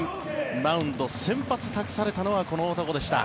マウンド、先発託されたのはこの男でした。